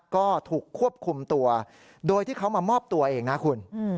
ก็ถูกควบคุมตัวโดยที่เขามามอบตัวเองนะคุณ